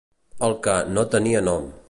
el que "no tenia nom".